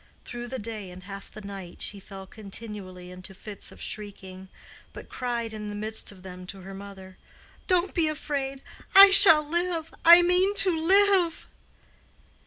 Through the day and half the night she fell continually into fits of shrieking, but cried in the midst of them to her mother, "Don't be afraid. I shall live. I mean to live."